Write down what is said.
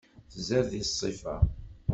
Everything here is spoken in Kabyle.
Tzad di ṣṣifa.